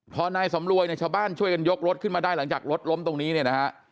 พอนายสำรวยเนี่ยชาวบ้านช่วยกันยกรถขึ้นมาได้หลังจากรถล้มตรงนี้เนี่ยนะฮะ